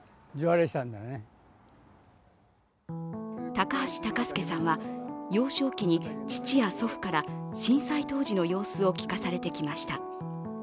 高橋隆亮さんは幼少期に父や祖父から震災当時の様子を聞かされてきました。